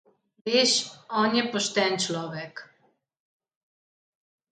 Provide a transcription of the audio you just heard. Veš, on je pošten človek.